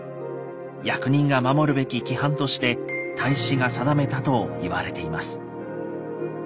役人が守るべき規範として太子が定めたと言われています。